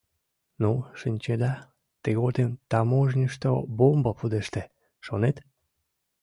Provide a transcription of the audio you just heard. Ну, шинчеда, тыгодым таможньышто бомба пудеште, шонет.